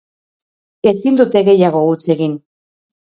Ezin dute gehiago huts egin.